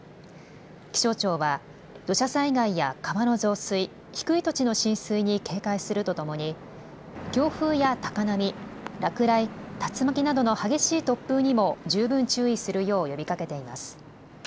気象庁は、土砂災害や川の増水、低い土地の浸水に警戒するとともに、強風や高波、落雷、竜巻などの激しい突風にも十分注意するよう呼びかけています。